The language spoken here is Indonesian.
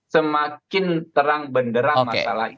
semakin terang benderang masalah ini